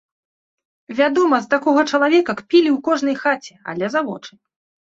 Вядома, з такога чалавека кпілі ў кожнай хаце, але за вочы.